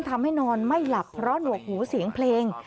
นอนไม่หลับเพราะหนวกหูเสียงเพลง